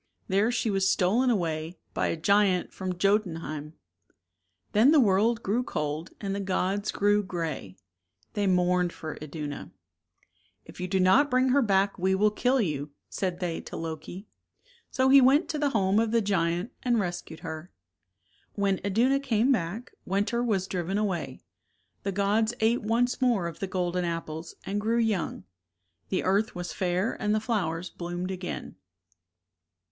There she was stolen away by a giant from Jotun heim. Then the world grew cold and the gods grew gray. They mourned for Iduna. 32 " If you do not bring her back we will kill you," said they to Loki. So he went to the home of the giant and rescued her. When Iduna came back, winter was driven away. The gods ate once more of the golden apples and grew young; the earth was fair and the flowers bloomed again.